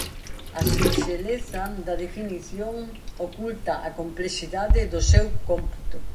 A sinxeleza da definición oculta a complexidade do seu cómputo.